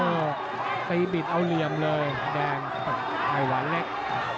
โอ้โหตีบิดเอาเหลี่ยมเลยแดงไอหวานเล็ก